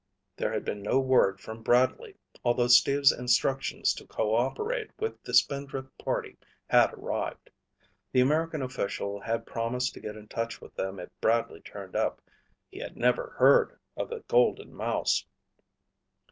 There had been no word from Bradley, although Steve's instructions to co operate with the Spindrift party had arrived. The American official had promised to get in touch with them if Bradley turned up. He had never heard of the Golden Mouse.